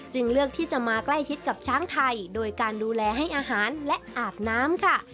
เลือกที่จะมาใกล้ชิดกับช้างไทยโดยการดูแลให้อาหารและอาบน้ำค่ะ